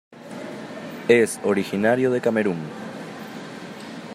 Es originario de Camerún.